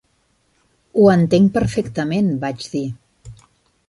"Ho entenc perfectament", vaig dir.